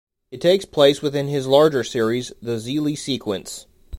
It takes place within his larger series, the "Xeelee Sequence".